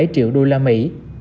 một mươi bảy triệu đô la mỹ